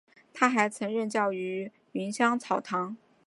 他还曾任教于芸香草堂。